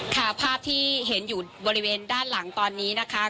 ภาพที่เห็นอยู่บริเวณด้านหลังตอนนี้นะคะ